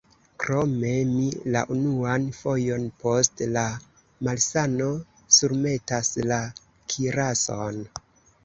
Krome, mi la unuan fojon post la malsano surmetas la kirason.